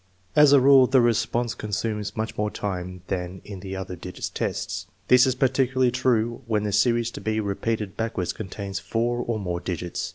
As a rule the response consumes much more time than in the other digits test. This is particularly true when the series to be repeated backwards contains four or more digits.